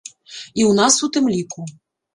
І ў нас у тым ліку.